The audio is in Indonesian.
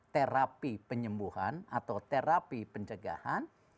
terapi penyembuhan atau terapi pencegahan